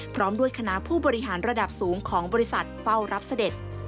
พร้อมด้วยคณะผู้บริหารระดับสูงของบริษัทเฝ้ารับเสด็จ